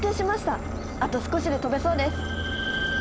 あと少しで飛べそうです。